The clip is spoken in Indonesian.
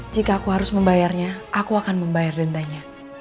jika aku harus membayarnya aku akan membayar dendanya